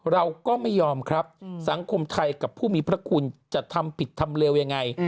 เราก็ไม่ยอมครับสังคมไทยกับผู้มีพระคุณจะทำผิดทำเลวยังไง